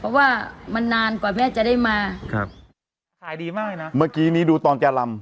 เพราะว่ามันนานกว่าแม่จะได้มาครับขายดีมากเลยนะเมื่อกี้นี้ดูตอนแกรำ